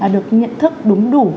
được nhận thức đúng đủ